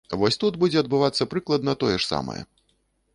Вось тут будзе адбывацца прыкладна тое ж самае.